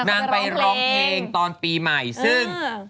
นางไปร้องเพลงตอนปีใหม่ซึ่ง